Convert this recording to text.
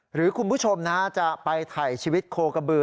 หรือคุณผู้ชมนะจะไปถ่ายชีวิตโคกระบือ